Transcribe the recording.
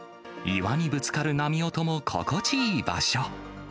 岩にぶつかる波音も心地いい場所。